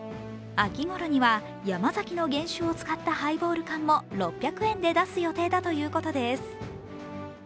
秋ごろには山崎の原酒を使ったハイボール缶も６００円で出す予定だということです。